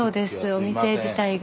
お店自体が。